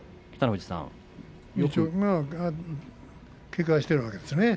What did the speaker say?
一応、警戒しているわけですよね